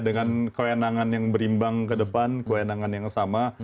dengan kewenangan yang berimbang ke depan kewenangan yang sama